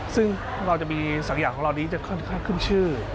ซึ่งเราจะมีสักอย่างของเรานี้จะค่อนข้างขึ้นชื่อ